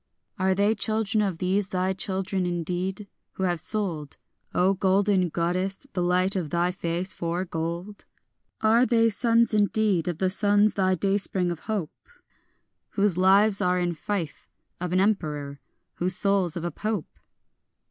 Are they children of these thy children indeed, who have sold, O golden goddess, the light of thy face for gold? Are they sons indeed of the sons of thy dayspring of hope, Whose lives are in fief of an emperor, whose souls of a Pope?